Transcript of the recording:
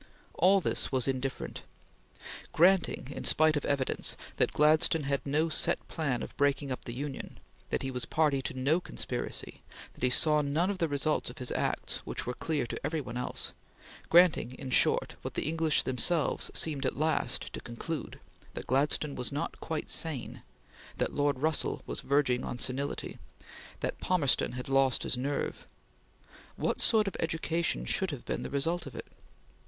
All this was indifferent. Granting, in spite of evidence, that Gladstone had no set plan of breaking up the Union; that he was party to no conspiracy; that he saw none of the results of his acts which were clear to every one else; granting in short what the English themselves seemed at last to conclude that Gladstone was not quite sane; that Russell was verging on senility; and that Palmerston had lost his nerve what sort of education should have been the result of it?